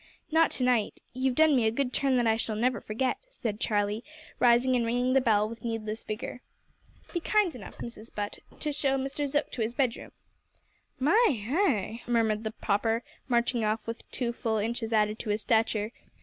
"Not to night. You've done me a good turn that I shall never forget" said Charlie, rising and ringing the bell with needless vigour. "Be kind enough, Mrs Butt, to show Mr Zook to his bedroom." "My heye!" murmured the pauper, marching off with two full inches added to his stature.